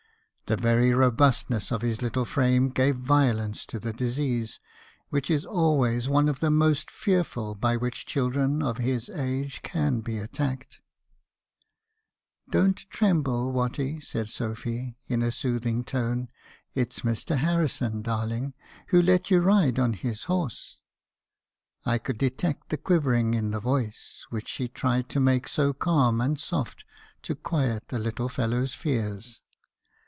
The very robustness of his little frame gave violence to the disease , which is always one of the most fearful by which children of his age can be attacked. "' Don't tremble, Watty,' said Sophy, in a soothing tone ; 'it's Mr. Harrison, darling, who let you ride on his horse.* I could detect the quivering in the voice, which she tried to make so calm and soft to quiet the little fellow's fears.